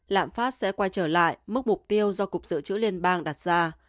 lạm phát sẽ quay trở lại mức mục tiêu do cục dự trữ liên bang đặt ra